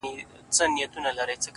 شېرینو نور له لسټوڼي نه مار باسه!